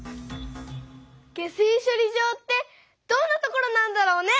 下水しょり場ってどんなところなんだろうね？